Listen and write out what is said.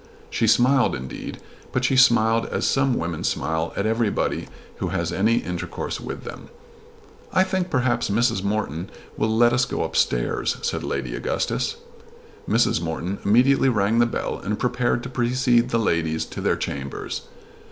She smiled indeed, but she smiled as some women smile at everybody who has any intercourse with them. "I think perhaps Mrs. Morton will let us go up stairs," said Lady Augustus. Mrs. Morton immediately rang the bell and prepared to precede the ladies to their chambers.